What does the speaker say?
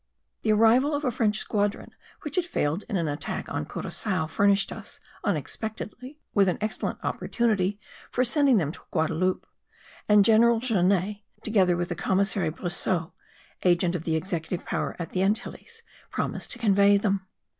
The arrival of a French squadron which had failed in an attack upon Curacao furnished us, unexpectedly, with an excellent opportunity for sending them to Guadaloupe; and General Jeannet, together with the commissary Bresseau, agent of the executive power at the Antilles, promised to convey them.